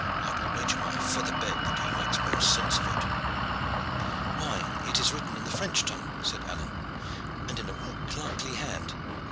I will wager my feather bed that he makes more sense of it." "Why, it is written in the French tongue," said Alleyne, "and in a right clerkly hand.